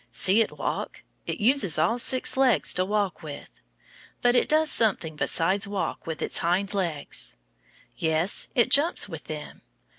See it walk. It uses all six legs to walk with. But it does something besides walk with its hind legs. Yes, it jumps with them.